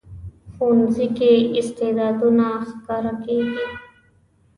ښوونځی کې استعدادونه ښکاره کېږي